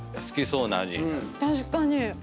確かに。